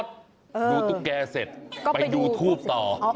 ดูตุ๊กแกเสร็จไปดูทูบต่อ